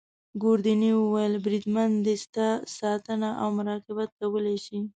ګوردیني وویل: بریدمنه دی ستا ساتنه او مراقبت کولای شي.